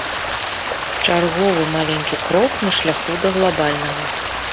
Чарговы маленькі крок на шляху да глабальнага.